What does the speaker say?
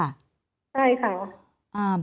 ใช่ค่ะ